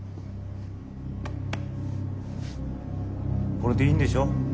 これでいいんでしょ？